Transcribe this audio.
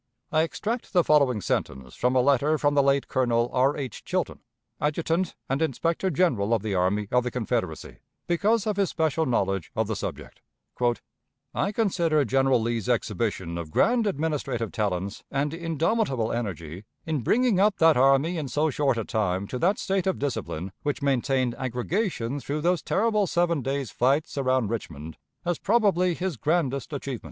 I extract the following sentence from a letter from the late Colonel R. H. Chilton, adjutant and inspector general of the army of the Confederacy, because of his special knowledge of the subject: "I consider General Lee's exhibition of grand administrative talents and indomitable energy, in bringing up that army in so short a time to that state of discipline which maintained aggregation through those terrible seven days' fights around Richmond, as probably his grandest achievement."